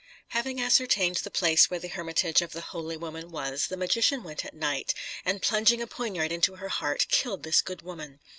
Having ascertained the place where the hermitage of the holy woman was, the magician went at night, and, plunging a poniard into her heart killed this good woman.